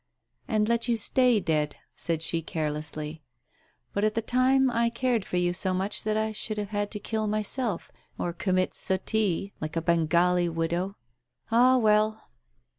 "And let you stay dead," said she carelessly. "But at the time I cared for you so much that I should have had to kill myself, or commit suttee like a Bengali widow. Ah, well